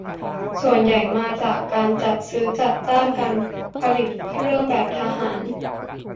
ส่วนใหญ่มาจากการจัดซื้อจัดจ้างการผลิตเครื่องแบบทหาร